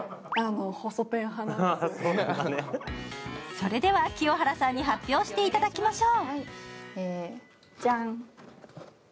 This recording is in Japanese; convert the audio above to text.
それでは清原さんに発表していただきましょう。